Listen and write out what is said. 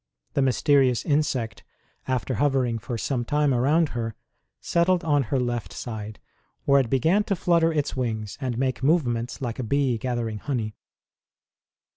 The mysterious insect, after hovering for some time around her, settled on her left side, where it began to flutter its wings and make movements like a bee gathering honey.